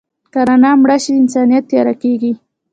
که دا رڼا مړه شي، انسانیت تیاره کېږي.